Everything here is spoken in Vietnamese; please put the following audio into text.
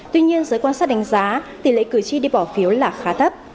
tuy nhiên giới quan sát đánh giá tỷ lệ cử tri đi bỏ phiếu là khá thấp